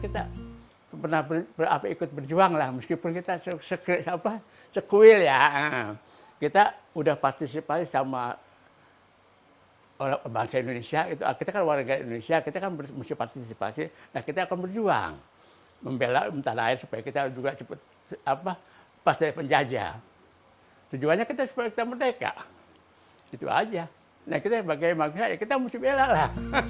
tujuannya kita sebagian kita merdeka gitu aja nah kita bagai maksa ya kita musibela lah